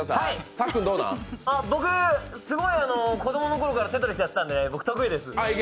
僕、すごい子どものころから「テトリス」やってたので僕、得意です。